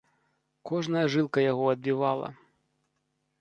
Кожная жылка яго адбівала.